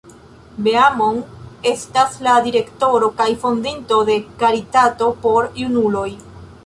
Beamon estas la direktoro kaj fondinto de karitato por junuloj.